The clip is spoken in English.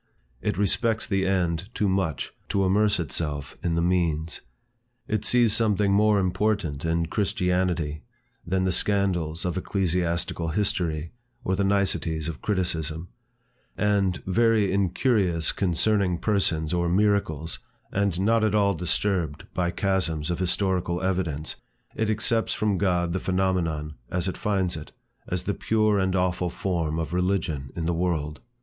It respects the end too much, to immerse itself in the means. It sees something more important in Christianity, than the scandals of ecclesiastical history, or the niceties of criticism; and, very incurious concerning persons or miracles, and not at all disturbed by chasms of historical evidence, it accepts from God the phenomenon, as it finds it, as the pure and awful form of religion in the world.